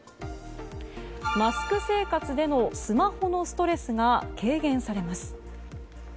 マスク生活でのスマホのストレスが軽減されます。